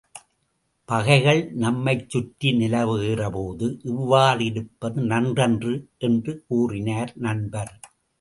பகைகள் நம்மைச் சுற்றி நிலவுகிறபோது இவ்வாறிருப்பது நன்றன்று என்று கூறினர் நண்பர்.